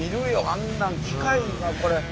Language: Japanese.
あんなん機械がこれ。